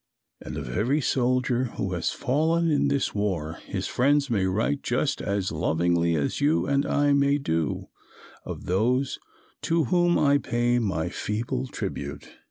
And of every soldier who has fallen in this war his friends may write just as lovingly as you and I may do of those to whom I pay my feeble tribute."